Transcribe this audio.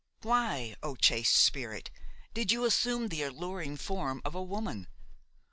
Why, O chaste spirit, did you assume the alluring form of a woman?